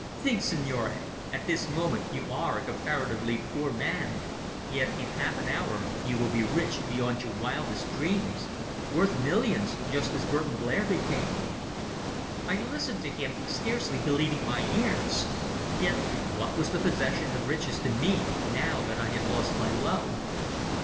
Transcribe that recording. Think, Signore, at this moment you are a comparatively poor man, yet in half an hour you will be rich beyond your wildest dreams worth millions, just as Burton Blair became." I listened to him, scarcely believing my ears. Yet what was the possession of riches to me, now that I had lost my love?